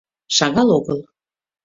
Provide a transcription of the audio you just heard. — Шагал огыл.